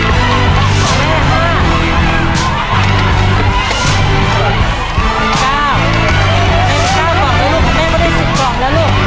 แม่มี๙กล่องแล้วลูกแม่ก็ได้๑๐กล่องแล้วลูก